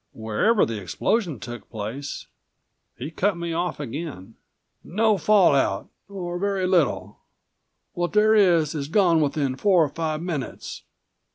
"Wherever the explosion took place " He cut me off again. "No fallout or very little. What there is is gone within four or five minutes.